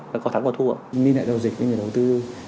nên lại giao dịch với người đầu tư